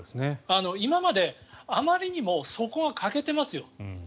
今まであまりにもそこが欠けてますよ。